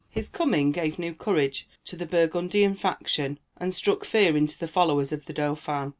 His coming gave new courage to the Burgundian faction, and struck fear into the followers of the Dauphin.